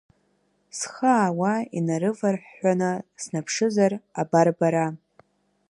Схы ауаа инарывырҳәҳәаны снаԥшызар, абар бара!